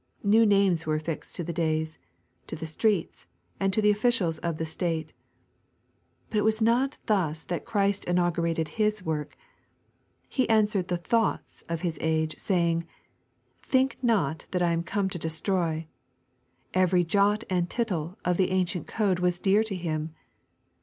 Kew namee were affixed to the days, to the streets, and to the o^idals of the States But it was not thus that Christ inaugurated His work. He answered the thotigfoa of His age, saying: "Think not that I am come to destroy." Every " jot and tittle " of the ancient code was dear to Him.